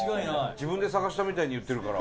自分で探したみたいに言ってるから。